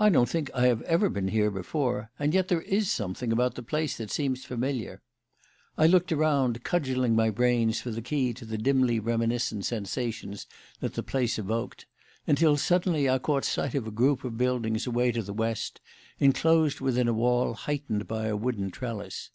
"I don't think I have ever been here before; and yet there is something about the place that seems familiar." I looked around, cudgelling my brains for the key to the dimly reminiscent sensations that the place evoked; until, suddenly, I caught sight of a group of buildings away to the west, enclosed within a wall heightened by a wooden trellis.